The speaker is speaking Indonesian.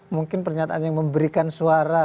mungkin pernyataan yang memberikan suara